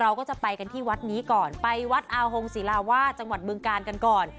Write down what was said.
เราก็จะไปกันที่วัดนี้ก่อนไปวัดอาหงศิลาวาสจังหวัดบึงกาลกันก่อน